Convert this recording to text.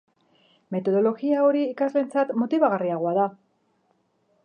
Metodologia hori ikasleentzat motibagarriagoa da.